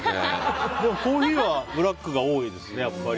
コーヒーはブラックが多いですね。